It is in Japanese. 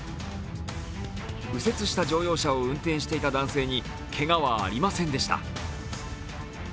右折した乗用車を運転していた男性に、けがはありませんでした。